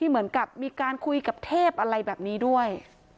มีการคุยพี่กับเทพอะไรแบบนี้ด้วย